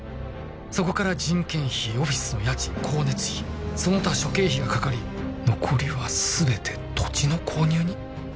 そこから人件費オフィスの家賃光熱費その他諸経費がかかり残りは全て土地の購入に？